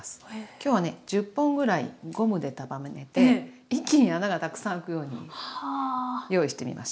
今日はね１０本ぐらいゴムで束ねて一気に穴がたくさん開くように用意してみました。